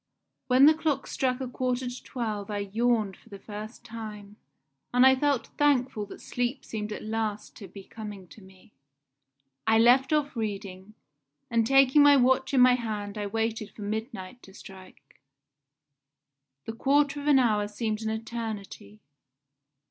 "When the clock struck a quarter to twelve I yawned for the first time, and I felt thankful that sleep seemed at last to be coming to me. I left off reading, and taking my watch in my hand I waited for midnight to strike. This quarter of an hour seemed an eternity.